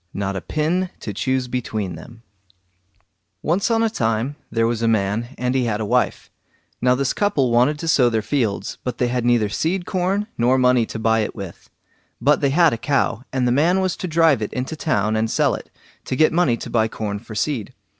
NOT A PIN TO CHOOSE BETWEEN THEM Once on a time there was a man, and he had a wife. Now this couple wanted to sow their fields, but they had neither seed corn nor money to buy it with. But they had a cow, and the man was to drive it into town and sell it, to get money to buy corn for seed.